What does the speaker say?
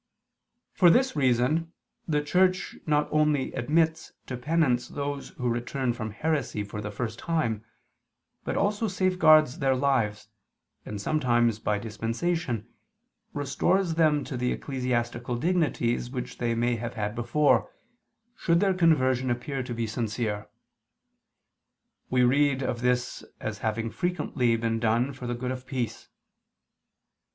For this reason the Church not only admits to Penance those who return from heresy for the first time, but also safeguards their lives, and sometimes by dispensation, restores them to the ecclesiastical dignities which they may have had before, should their conversion appear to be sincere: we read of this as having frequently been done for the good of peace.